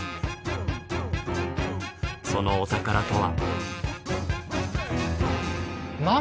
そのお宝とは。